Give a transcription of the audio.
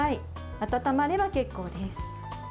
温まれば結構です。